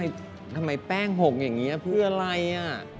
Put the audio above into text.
ทำไมแป้งหกอย่างนี้เพื่ออะไร